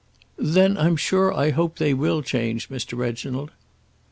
"Then I'm sure I hope they will change, Mr. Reginald."